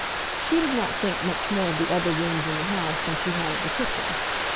She did not think much more of the other rooms in the house than she had of the kitchen.